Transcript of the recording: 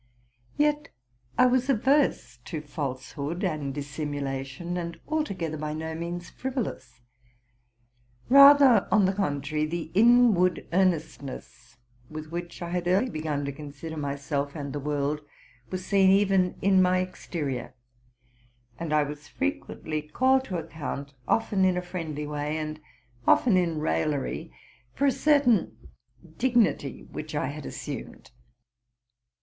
Yet I was averse to falsehood and dissimulation, and altogether by no means frivolous. Rather, on the contrary, the inward earnestness, with which I had early begun to consider myself and the world, was seen, even in my exte rior; and I was frequently called to account, often in a friendly way, and often in raillery, for a certain dignity which I had assumed.